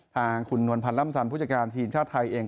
ทางคุณนวลพันธ์ล่ำสันผู้จัดการทีมชาติไทยเอง